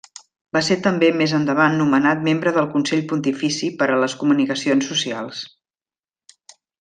Va ser també més endavant nomenat membre del Consell Pontifici per a les Comunicacions Socials.